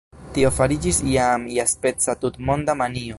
Tio fariĝis jam iaspeca tutmonda manio.